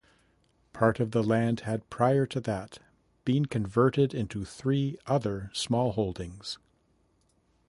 Part of the land had prior to that been converted into three other smallholdings.